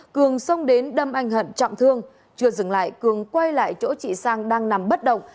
cường xông đến đâm anh hận trọng thương chưa dừng lại cường quay lại chỗ chị sang đang nằm bất động